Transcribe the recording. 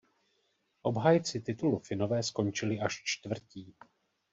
Obhájci titulu Finové skončili až čtvrtí.